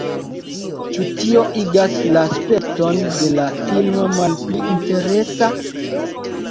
Ĉu tio igas la spekton de la filmo malpli interesa?